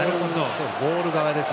ゴール側ですね。